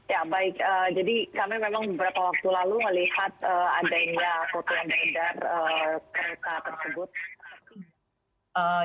ya baik jadi kami memang beberapa waktu lalu melihat adanya foto yang beredar kereta tersebut